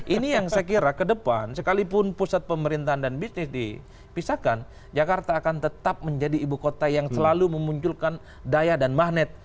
ini yang saya kira ke depan sekalipun pusat pemerintahan dan bisnis dipisahkan jakarta akan tetap menjadi ibu kota yang selalu memunculkan daya dan magnet